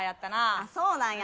あそうなんや。